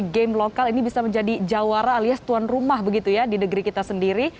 game lokal ini bisa menjadi jawara alias tuan rumah begitu ya di negeri kita sendiri